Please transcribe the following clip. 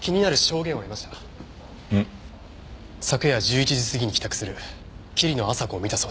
昨夜１１時過ぎに帰宅する桐野朝子を見たそうです。